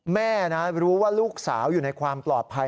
แม่นะรู้ว่าลูกสาวอยู่ในความปลอดภัย